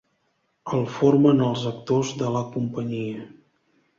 El formen els actors de la companyia.